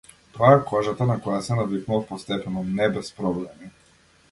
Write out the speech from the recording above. Тоа е кожата на која се навикнував постепено, не без проблеми.